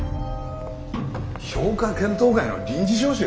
評価検討会の臨時招集？